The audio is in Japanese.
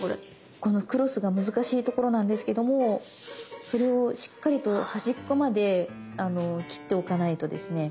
このクロスが難しいところなんですけどもそれをしっかりと端っこまで切っておかないとですね